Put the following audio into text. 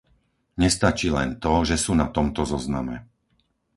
Nestačí len to, že sú na tomto zozname.